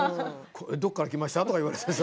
どっから来ました？とか言われてさ。